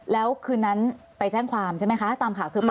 แล้วคืนนั้นไปแจ้งความใช่ไหมคะตามข่าวคือ